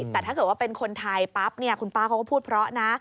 แต่ถ้าเกิดว่าเป็นคนไทยปั๊บคุณป้าเขาก็พูดเพราะนะ